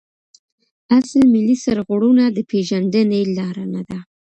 اصل ملي سرغړونه د پیژندني لاره نده.